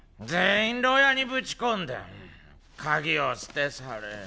全員牢屋にぶち込んで鍵を捨て去れ。